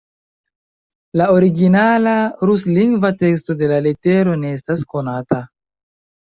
La originala, ruslingva teksto de la letero ne estas konata.